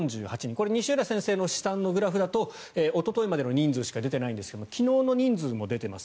これ西浦先生の試算のグラフだとおとといまでの人数しか出ていないんですが昨日の人数も出ています